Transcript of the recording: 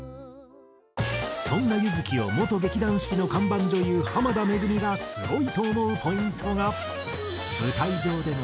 そんな唯月を元劇団四季の看板女優濱田めぐみがすごいと思うポイントが。